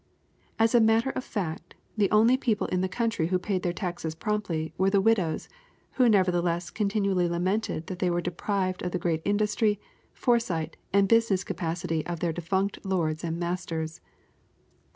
As a matter of fact, the only people in the county who paid their taxes promptly were the widows, who nevertheless continually lamented that they were deprived of the great industry, foresight, and business capacity of their defunct lords and masters.